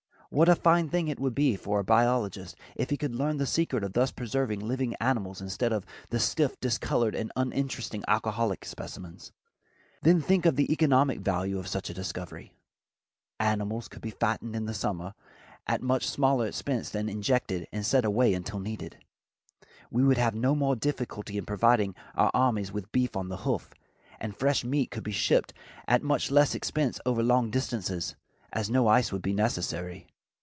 What a fine thing it would be for the biologist if he could learn the secret of thus preserving living animals instead of the stiff, discolored and uninteresting alcoholic specimens. Then think of the economic value of such a discovery. Animals could be fattened in summer at much smaller expense and then injected and set away until needed. We would have no more difficulty in providing our armies with beef on the hoof, and fresh meat could be shipped at much less expense over long distances, as no ice would be necessary.